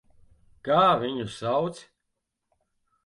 Kā viņu sauc?